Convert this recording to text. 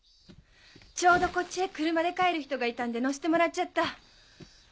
ちょうどこっちへ車で帰る人がいたんで乗せてもらっちゃった。